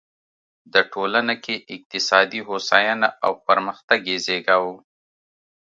د ټولنه کې اقتصادي هوساینه او پرمختګ یې زېږاوه.